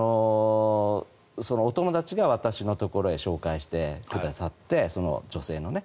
お友達が私のところへ紹介してくださって、女性のね。